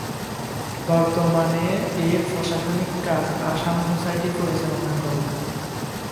বর্তমানে এর প্রশাসনিক কাজ আসাম সোসাইটি পরিচালনা করে।